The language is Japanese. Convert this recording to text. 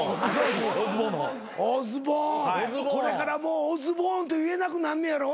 オズボーンこれからもうオズボーンと言えなくなんねやろ？